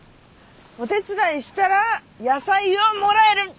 お手伝いしたら野菜をもらえる！